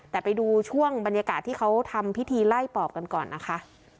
แต่ไปดูช่วงบรรยากาศที่เขาทำพิธีไล่ปอบกันก่อนนะคะ